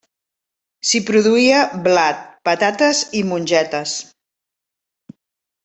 S'hi produïa blat, patates i mongetes.